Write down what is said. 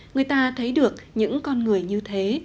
người ta thấy được những con người như thế